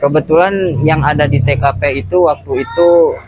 kebetulan yang ada di tkp itu waktu itu